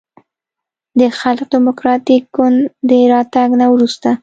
د خلق دیموکراتیک ګوند د راتګ نه وروسته